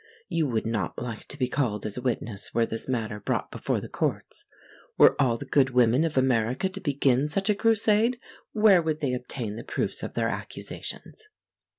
You would not like to be called as a witness were this matter brought before the courts. Were all the good women of America to begin such a crusade, where would they obtain the proofs of their accusations?